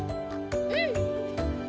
うん！